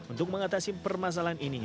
untuk mengatasi permasalahan ini